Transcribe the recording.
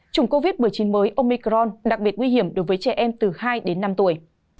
chủng covid một mươi chín mới omicron đặc biệt nguy hiểm đối với trẻ em từ hai đến năm tuổi